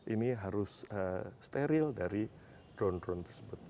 ini harus steril dari drone drone tersebut